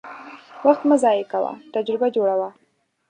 وخت مه ضایع کوه، تجربه جوړه وه.